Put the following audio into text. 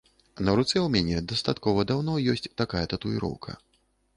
На руцэ ў мяне дастаткова даўно ёсць такая татуіроўка.